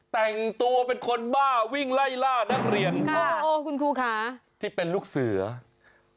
แต่งตัวเป็นคนบ้าวิ่งไล่ล่านักเรียนค่ะที่เป็นลูกเสือโอ้โหคุณครูค่ะ